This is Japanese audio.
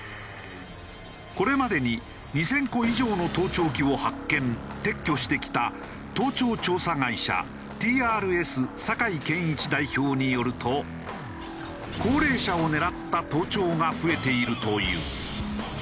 これまでに２０００個以上の盗聴器を発見撤去してきた盗聴調査会社ティー・アール・エス酒井賢一代表によると高齢者を狙った盗聴が増えているという。